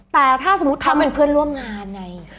แต่ถ้าสมมุติเขาเป็นเพื่อนร่วมงานไง